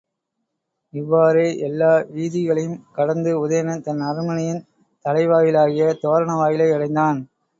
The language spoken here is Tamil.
இவ்வாறே எல்லா வீதிகளையுங் கடந்து உதயணன் தன் அரண்மனையின் தலைவாயிலாகிய தோரண வாயிலையடைந்தான்.